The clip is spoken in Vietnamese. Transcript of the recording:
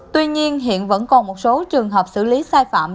tuy nhiên hiện vẫn còn một số trường hợp xử lý sai phạm